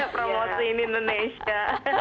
promosi di indonesia